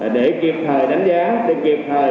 để kịp thời đánh giá để kịp thời